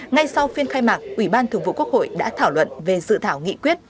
ngay sau phiên khai mạc ủy ban thường vụ quốc hội đã thảo luận về dự thảo nghị quyết